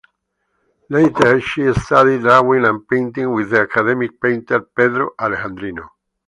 Later she studied drawing and painting with the academic painter Pedro Alexandrino.